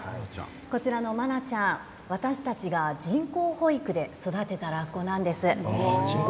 こちらのマナちゃん私たちが人工哺育で育てたラッコなんです。